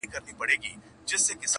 د مجسمې انځور هر ځای ځوړند ښکاري,